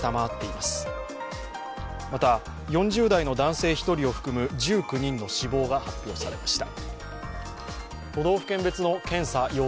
また、４０代の男性１人を含む１９人の死亡が発表されました。